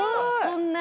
そんな。